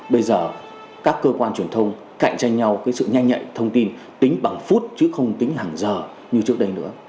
bây giờ các cơ quan truyền thông cạnh tranh nhau sự nhanh nhạy thông tin tính bằng phút chứ không tính hàng giờ như trước đây nữa